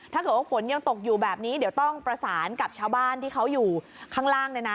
ถ้าเกิดว่าฝนยังตกอยู่แบบนี้เดี๋ยวต้องประสานกับชาวบ้านที่เขาอยู่ข้างล่างเลยนะ